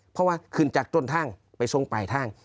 เพราะว่าขึ้นจากจนทางไปทรงปลายทาง